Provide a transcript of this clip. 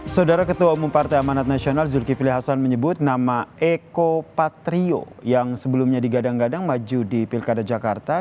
saudara ketua umum partai amanat nasional zulkifli hasan menyebut nama eko patrio yang sebelumnya digadang gadang maju di pilkada jakarta